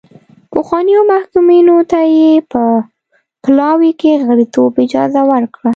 پخوانیو محکومینو ته یې په پلاوي کې غړیتوب اجازه ورکړه.